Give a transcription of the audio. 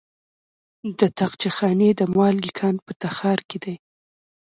د طاقچه خانې د مالګې کان په تخار کې دی.